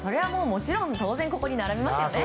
もちろん当然ここに並びますよね。